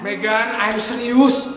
megan i'm serious